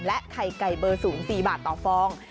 และไข่ไก่เบอร์สูง๔บาทต่อฟอง